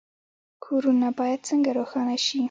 کورونه باید څنګه روښانه شي؟